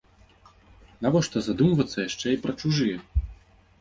Навошта задумвацца яшчэ і пра чужыя?